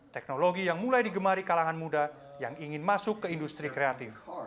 teknologi yang mulai digemari kalangan muda yang ingin masuk ke industri kreatif